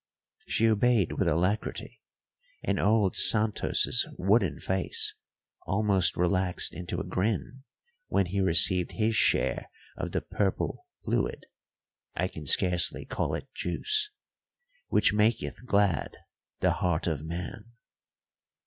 She obeyed with alacrity, and old Santos' wooden face almost relaxed into a grin when he received his share of the purple fluid (I can scarcely call it juice) which maketh glad the heart of man.